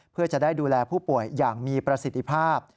เพื่อจะได้ดูแลผู้ป่วยอย่างมีประสิทธิภาพ